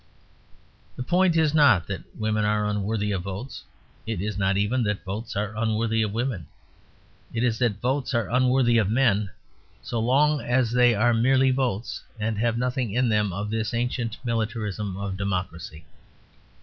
The point is not that women are unworthy of votes; it is not even that votes are unworthy of women. It is that votes are unworthy of men, so long as they are merely votes; and have nothing in them of this ancient militarism of democracy.